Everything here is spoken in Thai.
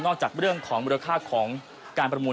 นอกจากเรื่องของมือราคาของการประมูล